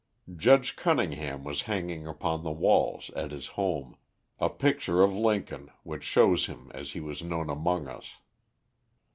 Judge Cunningham has hanging upon the walls at his home, a picture of Lincoln, which shows him as he was known among us.